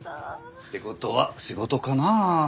って事は仕事かなあ？